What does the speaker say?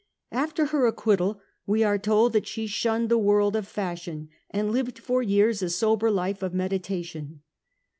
After her acquittal we are told that she shunned the world of fashion, and lived for years a sober life of meditation.